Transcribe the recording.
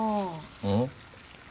うん？